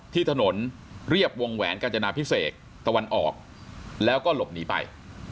ที่ถนนเรียบวงแหวนกาญจนาพิเศษตะวันออกแล้วก็หลบหนีไป